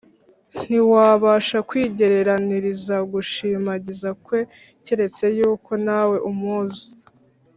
Ntiwabasha kwigereraniriza gushimagiza kwe, keretse yuko nawe umuzi